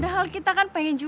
ambil muka guap ini loh